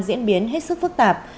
diễn biến hết sức phức tạp